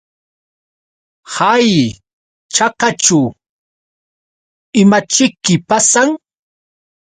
Hay chakaćhu ¿imaćhiki pasan?